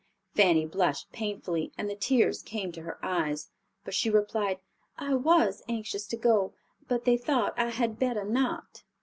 Fanny blushed painfully, and the tears came to her eyes, but she replied, "I was anxious to go, but they thought I had better not."